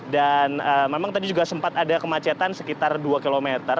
dan memang tadi juga sempat ada kemacetan sekitar dua km